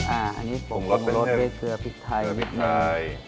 อันนี้ผมลดเกลือพริกไทย